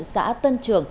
xã tân trường